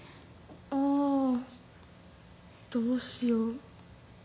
「あどうしよう。